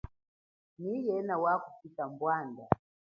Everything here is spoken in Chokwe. Nyi yena wakupita mbwanda?